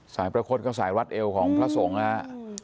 สายปราคตก็สายวัดเอวของพระสงฆ์